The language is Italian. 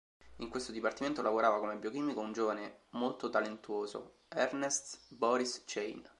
In questo dipartimento lavorava come biochimico un giovane molto talentuoso, Ernst Boris Chain.